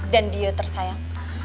dan dio tersayang